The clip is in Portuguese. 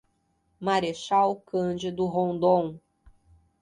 Marechal Cândido Rondon